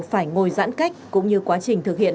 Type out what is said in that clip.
phải ngồi giãn cách cũng như quá trình thực hiện